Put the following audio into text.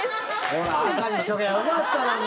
ほら、赤にしときゃよかったのに。